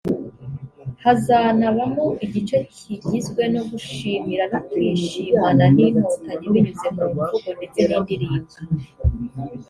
hazanabamo igice kigizwe no gushimira no kwishimana n’inkotanyi binyuze mu mivugo ndetse n’indirimbo